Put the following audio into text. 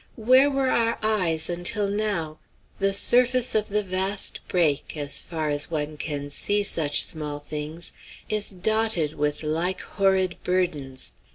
Where were our eyes until now? The surface of the vast brake, as far as one can see such small things, is dotted with like horrid burdens.